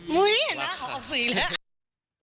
เห้ยเห็นไหมของเขาออกสีแล้ว